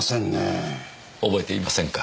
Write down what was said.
覚えていませんか？